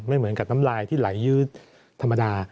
ไม่เหมือนกับน้ำลายที่ไหลยืดธรรมดา